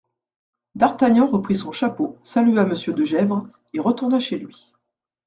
D'Artagnan reprit son chapeau, salua Monsieur de Gesvres et retourna chez lui.